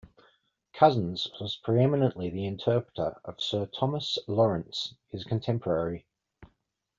Cousins was preeminently the interpreter of Sir Thomas Lawrence, his contemporary.